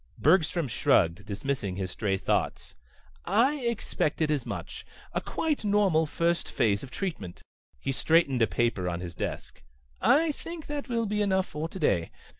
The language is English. Bergstrom shrugged, dismissing his strayed thoughts. "I expected as much. A quite normal first phase of treatment." He straightened a paper on his desk. "I think that will be enough for today.